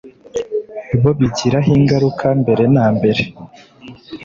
bo bigiraho ingaruka mbere na mbere